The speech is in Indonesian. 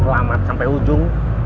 selamat sampai ujung